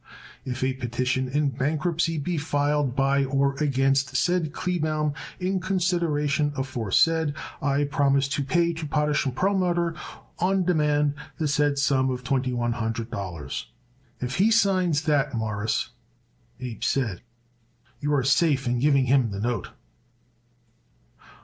If a petition in bankruptcy be filed by or against said Kleebaum in consideration aforesaid I promise to pay to Potash & Perlmutter on demand the said sum of twenty one hundred dollars. "If he signs that, Mawruss," Abe said, "you are safe in giving him the note."